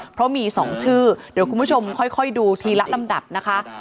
เพราะมี๒ชื่อเดี๋ยวคุณผู้ชมค่อยดูทีละลำดับนะคะ